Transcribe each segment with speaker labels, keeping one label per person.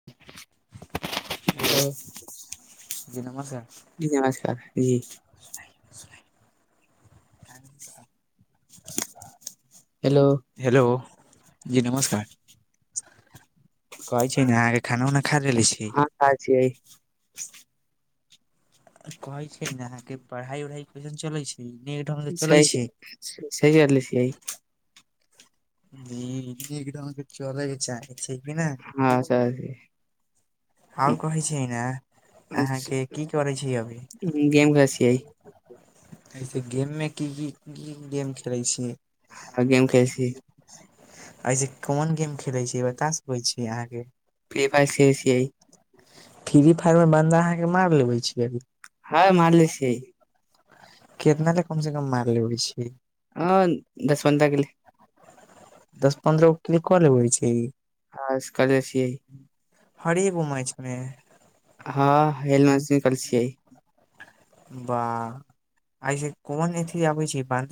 Speaker 1: [inaudible] hello जी नमस्कार
Speaker 2: जी नमस्कार जी
Speaker 1: [unintelligible]
Speaker 2: हेलो
Speaker 1: हेलो जी नमस्कार कहै छै ने अहाँ के खाना उना खा लेले छी
Speaker 2: खाइ छीये
Speaker 1: कहै छै ने अहाँ के पढ़ाई उढ़ाई कइसन चले छै ई नहिढन त
Speaker 2: सही
Speaker 1: चलय छै
Speaker 2: छी- सही करले छियै
Speaker 1: हूँ [unintelligible] अहाँ के चलय के चाही
Speaker 2: हँ सही
Speaker 1: आओर कहै छी ने अहाँ के की करय
Speaker 2: गेम मे छीये
Speaker 1: ऐसे गेम मे की भी गेम खेलै छी
Speaker 2: गेम खेल छियै
Speaker 1: आइ जे कोन गेम खेलै छी बता सकै छी अहाँ के
Speaker 2: फ्री फायर खेल छियै
Speaker 1: फ्री फायरमे बन्दा अहाँके मारि लेबै छीय
Speaker 2: हँ मारले छियै
Speaker 1: कीतना तक कम से कम मार लेबै छी
Speaker 2: ह दस पंद्रह गेलय
Speaker 1: दस पन्द्रह गो किलो क लेबै छै
Speaker 2: आज केले छीये
Speaker 1: हरेगो मैच मे
Speaker 2: ह ए मे से निकालय छीये
Speaker 1: बाह ऐस कोन ए अथी आबै छै बांध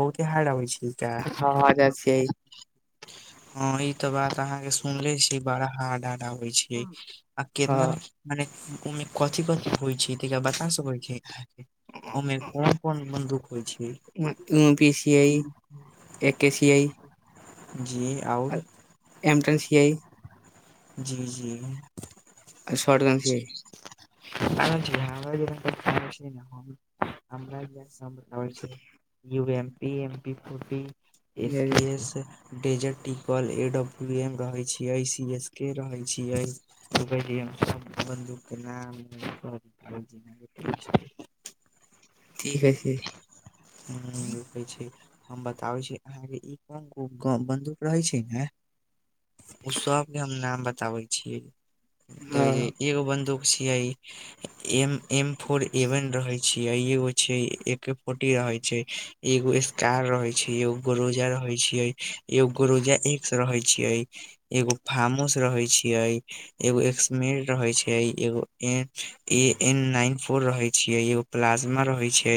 Speaker 1: बहुत बिहार आबै छै
Speaker 2: हँ हजार छियै
Speaker 1: ह ई तऽ बात अहाँ के सुनले छी बड़ा हार्ड ए आबय छीये आ केना
Speaker 2: हँ
Speaker 1: मने उमे कथी कथी होइ छै ता बता सकैत छै अहाँ के अमे कोन कोन बन्दूक होइ छै
Speaker 2: यू पी छियै
Speaker 1: एके से छीये जी आओर
Speaker 2: एमटन छियै
Speaker 1: जी जी
Speaker 2: आ शर्ट क छियै
Speaker 1: [unintelligible] बबै छै U M P M P फी एस के एस डजर्टिकॉल एडब ए रहे छ सी एस के रहे छ सब बन्दूक [unintelligible]
Speaker 2: ठीक हइ छै
Speaker 1: ह कहै छी हम बताबै छी अहाँ के ई कोन ग बन्दूक रहै छै ने ओ सब हम नाम बताबै छीयै
Speaker 2: हँ
Speaker 1: देख एगो बन्दूक छियै एम एम फोर एवन रहै छै आ एगो छै एक स्कोटी रहै छै एगो स्कार रहै छै एगो गोरोजा रहै छै एगो रोजा एक से रहे छिये एगो फार्म हाउस रहे छीये एगो एकसमे रहे छै एगो ए एन नाइन फोर रहै छियै एगो प्लाज्मा रहै छै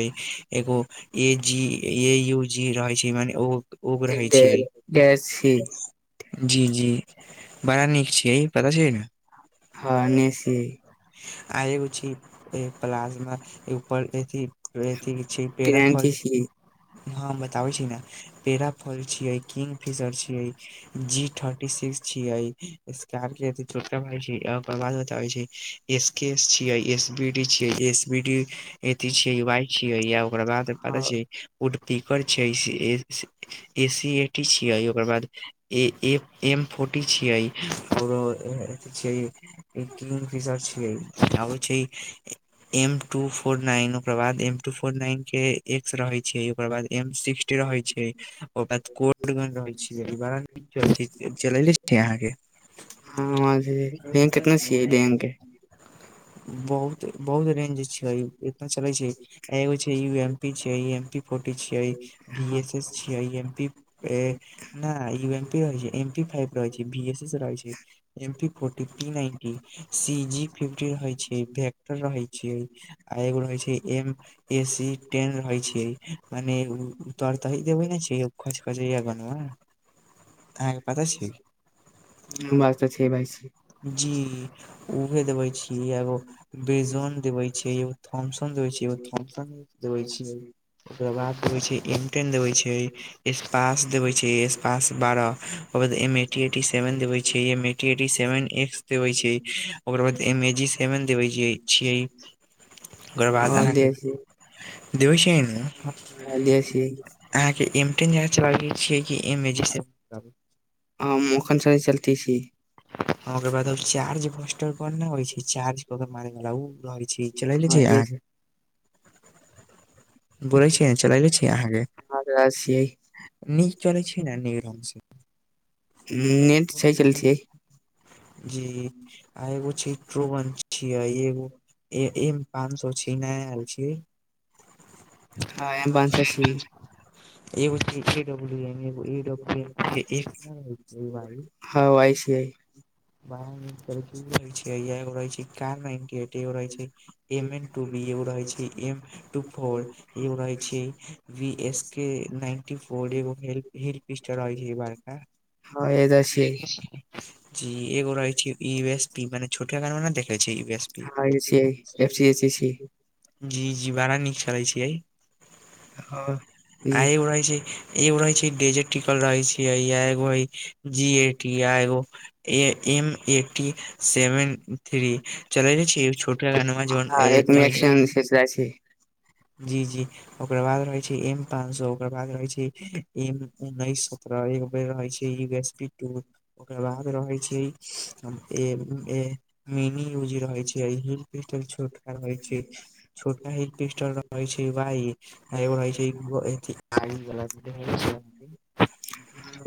Speaker 1: एगो ए जी ए यू जी रहै छै मने ओ उब रहै छियै जी जी बड़ा नीक छियै पता छै नऽ
Speaker 2: हँ [unintelligible]
Speaker 1: आ एगे चीज प्लाज्मा पर अथि अथि छै पेरा फल हँ हम बताबै छी ने पेराफल छियै किंग फिशर छियै जी ट्वर्टी सिक्स छीियै स्कार्पियोटका भ छै ओकर बाद बताबै छै एस के एस छियै एस बी डी छियै एस बी डी एथी छ य वाई छियै यऽ ओकर बाद पता छैये उड पीकर छै ए सी ए टी छियै ओकर बाद ए एम फोर्टी छिये आओर ई किंग फिशर छिय [unintelligible] छै एम टू फोर नाइन ओकर बाद एम टू फोर नाइन के एक्स रहे छै ओकर बाद एम सिक्स रहै छै ओ बाद कोटगज रहै छै बड़ा चले अहाँ के
Speaker 2: हँ [unintelligible]
Speaker 1: बहुत बहुत रेंज छै इतना चलै छै एगो छै यऽ एम पी छम पी फोर्टी छियी ए छिय आइ एम पी ए नेय यम पी रह एम पी फाइब रह एसस रह छै एम पी [unintelligible] और एगे रहे छै एम ए सी टेन रहै छै मने तर तरि देबै ने छै [unintelligible] अाँके पता छै
Speaker 2: हँ बात तऽ छै भाइ छै
Speaker 1: जी उ उहे देबै एगोजन देबे छै एगो थसन देबै एगो थन देवे छै ओकरा बाद के होइ छै एमटेन देवे छै एस्पास देवे छै ए्पास बारह ओकर बाद एम एटी एटी सेवन देवे छै एम एी सेवन एक्स देवे छै ओकर बाद एम ए जी सेवन देबै छियै ओकर बाद
Speaker 2: हँ
Speaker 1: अहाँके
Speaker 2: देश
Speaker 1: देवे शेन
Speaker 2: देश
Speaker 1: नउ अहाँ के एमटेन चलाे छी कि एम एज
Speaker 2: हम ओखन चलती छी
Speaker 1: बाद चार्जटर होइ छै चार्ज क मारै चलेने छी
Speaker 2: ह
Speaker 1: आहाँके बोले छीिय चलेल छीिय अहाँे
Speaker 2: छियै
Speaker 1: नीक चल छै ने नीक रंगसँ
Speaker 2: नेट सहि चल छियै
Speaker 1: जी आ एगो छैत्र्रो वं छिय एगो ए एमे पाँच सए छिना आयल छिय
Speaker 2: ह पाँच सए छी
Speaker 1: [unintelligible] [unintelligible]
Speaker 2: हँ वइ स आइ
Speaker 1: रहै एगो रहै छैो रहै छै M N two B A रहै छै एम टू फोर एगे रहे छै एस के नन फोरेल्प इस रह छै बारका [inaudible]
Speaker 2: हँ एह जऽ छिये
Speaker 1: जी एगो रहै छै ई वेस पी माने छोटका गाना मे नऽ देखले छी
Speaker 2: हँ [unintelligible] F C S S C
Speaker 1: जी जी बड़ा नीक करै छिये
Speaker 2: ह
Speaker 1: आ एगो रहै छै एगो रहे छै डेजेटिकल रहै छै या एगो हइ जी A T I O A M A T seven three चलै नय छै एगो छोट
Speaker 2: ह एक मे
Speaker 1: [unintelligible] जी
Speaker 2: एक्शन खेचला छै
Speaker 1: जी ओकर बाद रहै छै एम पान सौ ओकर बाद रहै छै एम उन्नैस सौ [unintelligible] रहइ छै इ गैस पी टू ओकर बाद रहै छी हम एब ए मिनी यूजी रहै छै हिल पिसटल छोटका रहै छै छोटका हेड पिस्टल रहइ छै वाइ आ एगो होई छै आई बला [unintelligible] बला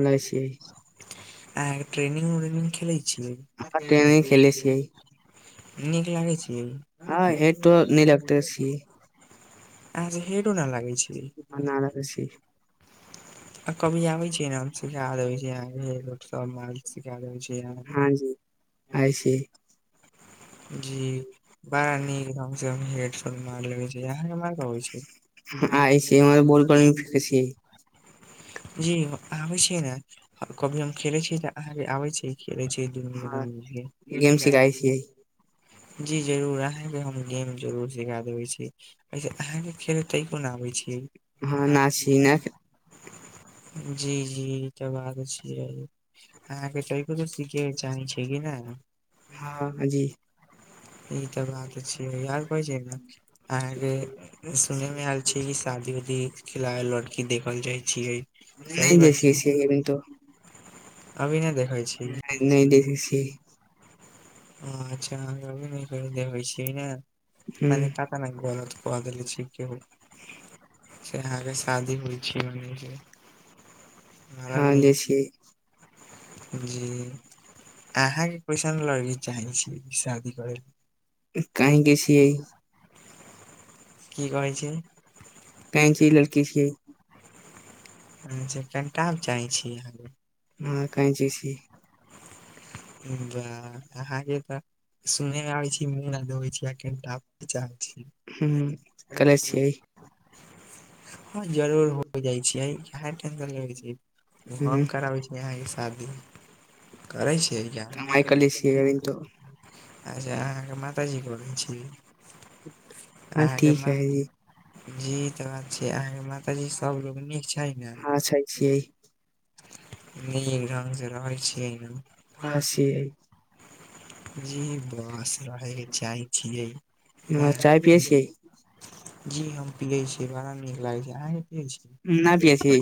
Speaker 2: नय से इ
Speaker 1: अहाँकेँ ट्रेनिंग [unintelligible] खेलै छियै
Speaker 2: अहाँ ट्रेनिंग खेले छियै
Speaker 1: नीक लागै छियै
Speaker 2: हँ हेतो नी लगतै छी
Speaker 1: अहाँ हेडो ना लागै छिये
Speaker 2: खुशी
Speaker 1: आ कभी आबेै छियेै नऽ हम सिखा देबे छिये अहाँ केँ हेड उड सब [unintelligible] छी अहाँके
Speaker 2: हँजी आय छिये
Speaker 1: [inaudible] जी बड़ा नीक रंग सँ हम हेडफोन मार लेबे छै अहाँ [unintelligible] छै
Speaker 2: [unintelligible]
Speaker 1: जी हम आबेै छिये नऽ हम कभी हम खेलेै छिये तऽ अहाँकेँ आबे छिये खेले छी
Speaker 2: हँ गेम सिखाइ छियै
Speaker 1: [unintelligible] जी जरूर अहाँकेँ हम गेम जरूर सिखा देबेै छी ऐसे अहाँकेँ खेलै तैयो नऽ आबै छिये
Speaker 2: [unintelligible]
Speaker 1: जी जी जबाद छिये अहाँकेँ तइको तऽ सीखे कऽ चाहै छियै नऽ
Speaker 2: हँ जी
Speaker 1: ई तऽ बात छियै आओर कहै छियै नऽ अहाँकेँ सुने मे आएल छै की शादी उदी खिलायल लऽ देखल जाइ छियै सही
Speaker 2: नहि
Speaker 1: बात
Speaker 2: देखै छियै
Speaker 1: छै
Speaker 2: अभी तो
Speaker 1: अभी नऽ देखै छी
Speaker 2: नाइ नय देखै छी
Speaker 1: [unintelligible] केतना
Speaker 2: ह
Speaker 1: गलत कह देलै छै केहु से आहाँकेँ शादी होइ छै
Speaker 2: हँ जे छियै
Speaker 1: [unintelligible] जी अहाँकेँ कसैन लगी चाहै छिये शादी करै
Speaker 2: [inaudible]
Speaker 1: की कहै छियै
Speaker 2: कही की ई लड़की छिये
Speaker 1: हू छै [unintelligible]
Speaker 2: हऽ कैंची छि
Speaker 1: बाह अहाँ एक तऽ सुने मे आबै छी मुँह नहि धोबै छी कैंटाब चाह छि
Speaker 2: ह
Speaker 1: करैय
Speaker 2: कले
Speaker 1: छियेै
Speaker 2: छियै
Speaker 1: ह जरूर होय जाय छै बाहर किया नहि कराबाबेै छी
Speaker 2: ह
Speaker 1: हम कराबै छी यहा कऽ शादी करै छिये क्या हम नै
Speaker 2: कमाइ
Speaker 1: करेै
Speaker 2: कले छियै
Speaker 1: हू
Speaker 2: अभी तो
Speaker 1: अच्छा अहाँके माताजी करै छी
Speaker 2: हँ
Speaker 1: अहाँके
Speaker 2: ठीक है
Speaker 1: मात
Speaker 2: जी
Speaker 1: जीत बात छै अहाँके माताजी सब लोग नीक छै है नहि
Speaker 2: हँ अच्छा छियै
Speaker 1: निक ढंग से रहै छियै नहि
Speaker 2: ह से ऐ
Speaker 1: जी बस रहैके चाहै छियै
Speaker 2: हँ चाय पियै छियै
Speaker 1: जी हम पियै छियै बड़ा नीक लागे छै अहाँ नहि
Speaker 2: न पियै छियै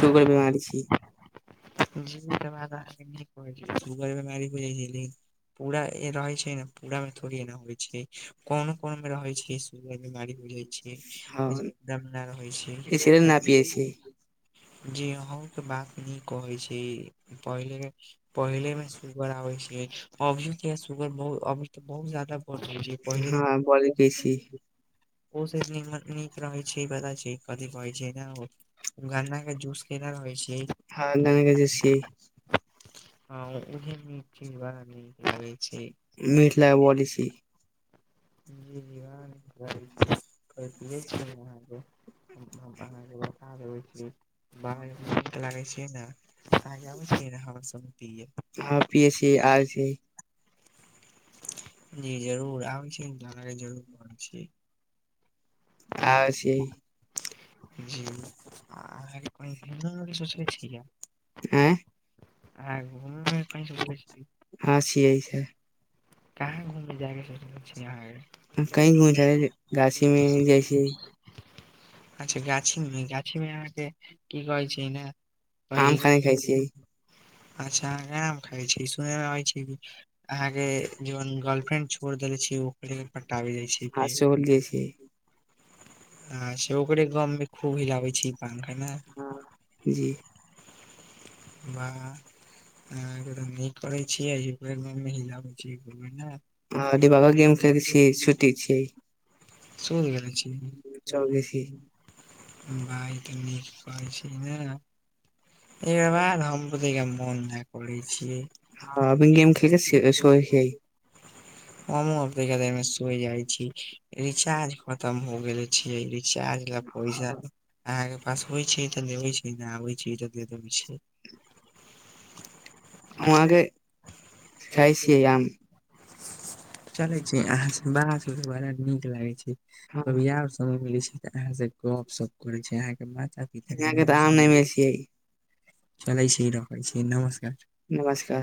Speaker 2: शुगर बीमारी छी
Speaker 1: [unintelligible] जी सुगर बीमारी हो जाइ छै लेकिन पूरा रहे छै पूरा मे थोड़ी एना होइ छै कोनो कोनो मे रहे छै सू बीमारी हो जाइ छै
Speaker 2: हँ
Speaker 1: म होइ
Speaker 2: इसलिए न पियै
Speaker 1: छै
Speaker 2: छी
Speaker 1: जी अ के बात न कहै छी पहि पहिले मे सुगर आै छै अभ य सुगर ब अभ बहुत ज्यादा
Speaker 2: हँ ब कसी
Speaker 1: ओ नीक रहै छै पता छै कथी कहै छै ने गन्न्दाक के जूस केना रहै छियै
Speaker 2: हँ गाना के जे छी
Speaker 1: ह ओहे मि ची बड़ान लागै छै
Speaker 2: मिथिला बलै छी
Speaker 1: जी जी व न कहाँके अहाँके बता देबै ब लागै छै नेबै छ
Speaker 2: हँ [unintelligible]
Speaker 1: जी जरूर आबै छीे जरूर पै छी
Speaker 2: आओ से
Speaker 1: जी आ घी सोचै छ
Speaker 2: आँय
Speaker 1: [unintelligible]
Speaker 2: अँ छियै छै
Speaker 1: कहाँ घुममे जायगे सोच यहाँ
Speaker 2: कही घूम जा घाछी मे जैसे
Speaker 1: अच्छा गाछीमे गाछी मेाँे की कह छै ने
Speaker 2: आम
Speaker 1: पहिले
Speaker 2: खान खाइ छी
Speaker 1: अच्छा ग मे खाइ छी सुनेमे रहै छी अहाँके जन गर्लफ्रेंड छोड़ देले छी ओकरे के पटाबे जाइ छै फेर
Speaker 2: चल जाइ छै
Speaker 1: अचछा ओकरे गममे खूब हिलाबै छै ई पंखा ने
Speaker 2: जी
Speaker 1: बाह ह न करै छियै महिला हो छै ने
Speaker 2: ह दिबागो गेम खेल छीिय छुट्टी छियै
Speaker 1: सुन गेल छी
Speaker 2: चलबे छिये
Speaker 1: भाइ तऽ नीक कहै छै नऽ एगो बात हम [unintelligible] मोन नय करै छिये
Speaker 2: आ अभी गेम खेल के सोए छियै
Speaker 1: हमहूँ अब तइक देर मे सोइ जाइ छी रिचार्ज खतम हो गेले छिये रिचार्ज लऽ पैसा अहाँकेँ पास होइ छै तऽ देबै छी नऽ आबै छी तऽ देऽ देबै छी
Speaker 2: हम अहाँकेँ खाइ छियै आम
Speaker 1: चलै छी अहाँ से बात करकेँ बड़ा नीक लागै छै
Speaker 2: हँ,
Speaker 1: कभी आओर समय मिलै छै तऽ अहाँ से गप सप करे छै अहाँकेँ बता
Speaker 2: यहाँ केँ तऽ आम नय मे छियै
Speaker 1: चलै छी रखै छी नमस्कार
Speaker 2: नमस्कार